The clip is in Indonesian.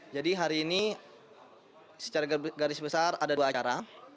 jadi hari ini secara garis besar ada dua acara